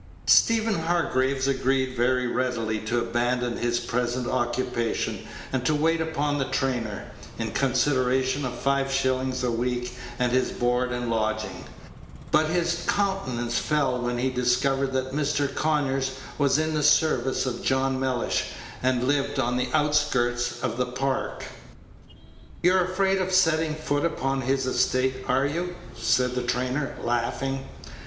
Stephen Hargraves agreed very readily to abandon his present occupation, and to wait upon the trainer, in consideration of five shillings a week and his board and lodging; but his countenance fell when he discovered that Mr. Conyers was in the service of John Mellish, and lived on the outskirts of the Park. "You're afraid of setting foot upon his estate, are you?" said the trainer, laughing.